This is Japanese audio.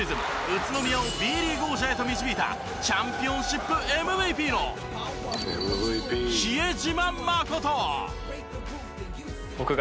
宇都宮をＢリーグ王者へと導いたチャンピオンシップＭＶＰの比江島慎！